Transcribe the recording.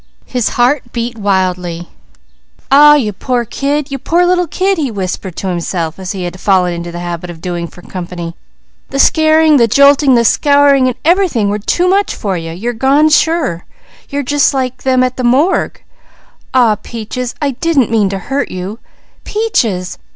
His heart beat wildly. "Aw you poor kid! You poor little kid!" he whispered to himself as he had fallen into the habit of doing for company. "The scaring, the jolting, the scouring, and everything were too much for you. You've gone sure! You're just like them at the morgue. Aw Peaches! I didn't mean to hurt you, Peaches!